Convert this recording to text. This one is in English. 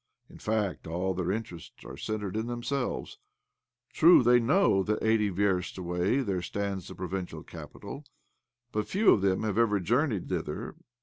In fact, all their interests are centred in themselves. True, they know that eighty versts away there stands the pro vincial capital ; but few of them have ever journeyed thither.